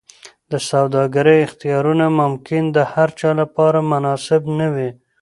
د سوداګرۍ اختیارونه ممکن د هرچا لپاره مناسب نه وي.